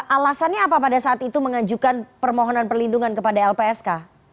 alasannya apa pada saat itu mengajukan permohonan perlindungan kepada lpsk